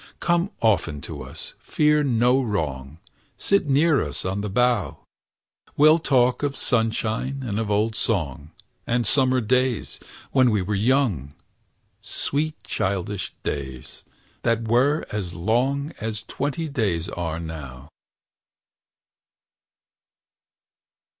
Come often to us, fear no wrong; Sit near us on the bough! We'll talk of sunshine and of song, And summer days, when we are young; Sweet childish days, that were as long As twenty days are now.